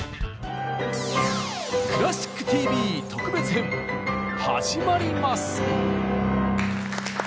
「クラシックＴＶ」特別編始まります！